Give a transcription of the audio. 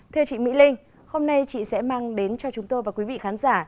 thưa chị mỹ linh hôm nay chị sẽ mang đến cho chúng tôi và quý vị khán giả